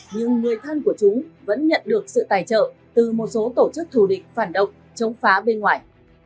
nhưng người thân của chúng vẫn nhận được sự tài trợ từ một số tổ chức thù địch phản động chống phá bên ngoài